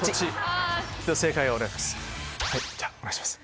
じゃあお願いします。